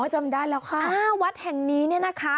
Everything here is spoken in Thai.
จำได้แล้วค่ะวัดแห่งนี้เนี่ยนะคะ